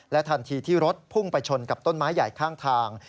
ทันทีที่รถพุ่งไปชนกับต้นไม้ใหญ่ข้างทาง